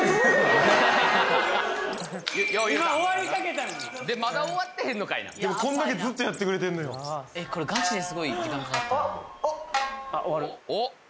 えっ